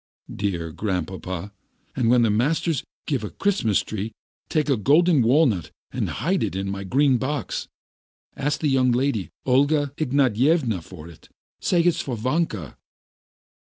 "Dear Grandpapa, and when the masters give a Christmas tree, take a golden walnut and hide it in my green box. Ask the young lady, Olga Ignatyevna, for it, say it's for Vanka."